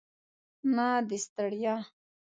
نه د ستړیا.